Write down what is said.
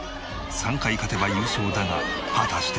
３回勝てば優勝だが果たして。